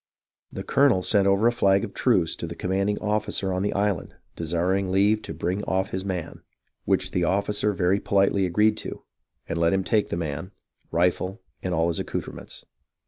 The colonel sent over a flag of truce to the commanding officer on the island desiring leave to bring off his man, which the officer very politely agreed to, and let him take man, rifle, and all his accoutrements."